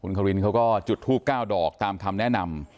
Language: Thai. คุณควินเค้าก็จุดทูบก้าวดอกตามคำแนะนำ